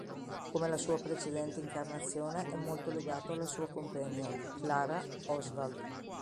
Come la sua precedente incarnazione è molto legato alla sua companion, Clara Oswald.